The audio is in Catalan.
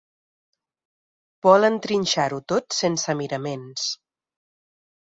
Volen trinxar-ho tot sense miraments.